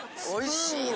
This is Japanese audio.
おいしい！